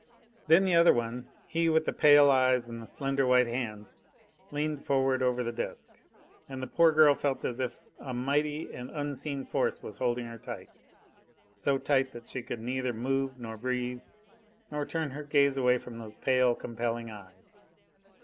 Then the other one, he with the pale eyes and the slender white hands, leaned forward over the desk, and the poor girl felt as if a mighty and unseen force was holding her tight, so tight that she could neither move, nor breathe, nor turn her gaze away from those pale, compelling eyes.